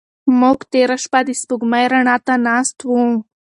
موږ تېره شپه د سپوږمۍ رڼا ته ناست وو.